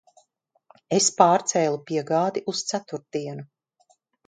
Es pārcēlu piegādi uz ceturtdienu.